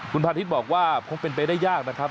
คุณพาทิศบอกว่าคงเป็นไปได้ยากนะครับ